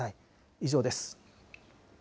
以上です。